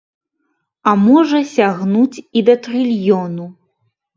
А можа сягнуць і да трыльёну.